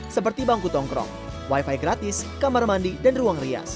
seperti bangku tongkrong wifi gratis kamar mandi dan ruang rias